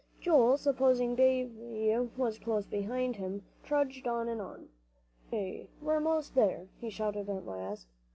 Joel, supposing Davie was close behind him, trudged on and on. "Hooray, we're most there!" he shouted at last.